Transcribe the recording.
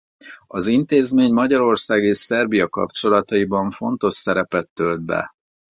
Az intézmény Magyarország és Szerbia kapcsolataiban fontos szerepet tölt be.